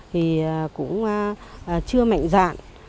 thì cũng chưa mạnh dạn